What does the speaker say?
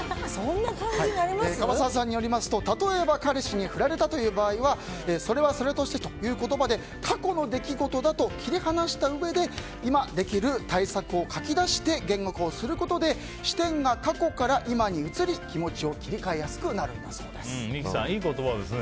樺沢さんによりますと例えば彼氏に振られた場合はそれはそれとしてという言葉で過去の出来事だと切り離したうえで今できる対策を書き出して言語化することで視点が過去から今に移り気持ちを三木さん、いい言葉ですね。